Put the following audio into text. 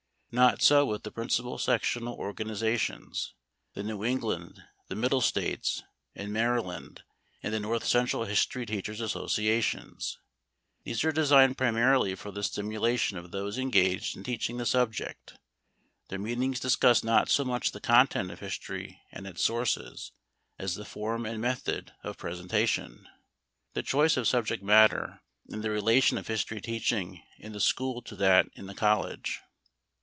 Not so with the principal sectional organizations, the New England, the Middle States and Maryland, and the North Central history teachers' associations. These are designed primarily for the stimulation of those engaged in teaching the subject; their meetings discuss not so much the content of history and its sources, as the form and method of presentation, the choice of subject matter, and the relation of history teaching in the school to that in the college.